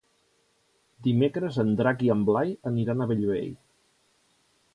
Dimecres en Drac i en Blai aniran a Bellvei.